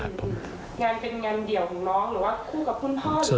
งานเป็นงานเดี่ยวของน้องหรือว่าคู่กับคุณพ่อหรือเปล่า